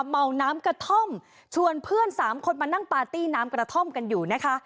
เมาน้ำกระท่อมชวนเพื่อนสามคนมานั่งปาร์ตี้น้ำกระท่อมกันอยู่นะคะ